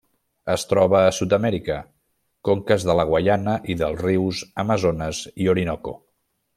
Es troba a Sud-amèrica: conques de la Guaiana i dels rius Amazones i Orinoco.